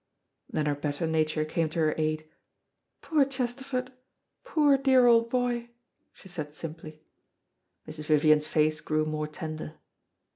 Then her better nature came to her aid. "Poor Chesterford, poor dear old boy," she said simply. Mrs. Vivian's face grew more tender.